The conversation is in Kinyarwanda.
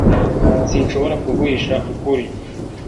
sinshobora kuguhisha ukuri